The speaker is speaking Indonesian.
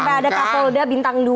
sampai ada kapolda bintang dua